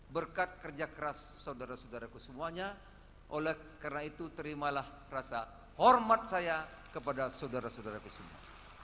berkat kerja keras saudara saudaraku semuanya oleh karena itu terimalah rasa hormat saya kepada saudara saudaraku semua